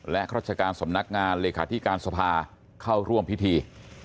และราชการสำนักงานเลขาธิการสภาเข้าร่วมพิธี